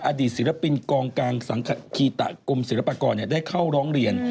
ถ้าใช่อดีตศิลปินกองกลางสังคิตะกรมศิลปกรได้เข้าร้องเรียน